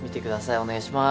お願いします